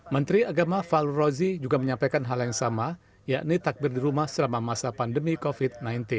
menteri agama fallu rozi juga menyampaikan hal yang sama yakni takbir di rumah selama masa pandemi covid sembilan belas